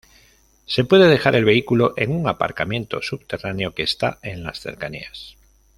Se puede dejar el vehículo en un aparcamiento subterráneo que está en las cercanías.